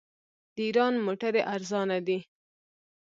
د ایران موټرې ارزانه دي.